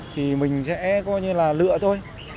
thì mình sẽ coi như là lựa thôi